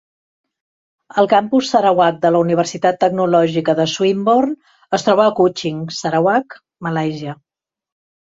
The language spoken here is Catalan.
El campus Sarawak de la Universitat Tecnològica de Swinborn es troba a Kuching, Sarawak (Malàisia).